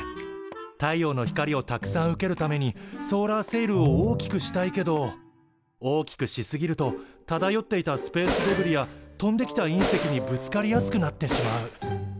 太陽の光をたくさん受けるためにソーラーセイルを大きくしたいけど大きくしすぎるとただよっていたスペースデブリや飛んできた隕石にぶつかりやすくなってしまう。